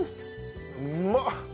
うまっ！